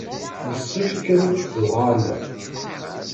Yessefk ad d-tuɣal.